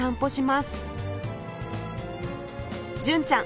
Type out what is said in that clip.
純ちゃん